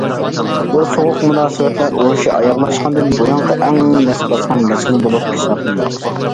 بۇ سوغۇق مۇناسىۋەتلەر ئۇرۇشى ئاياغلاشقاندىن بۇيانقى ئەڭ نەس باسقان مەزگىل بولۇپ ھېسابلىنىدۇ.